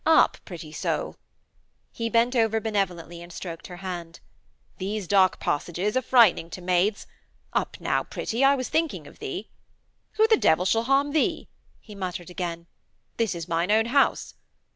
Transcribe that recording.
Up, pretty soul.' He bent over benevolently and stroked her hand. 'These dark passages are frightening to maids. Up now, pretty. I was thinking of thee. 'Who the devil shall harm thee?' he muttered again. 'This is mine own house.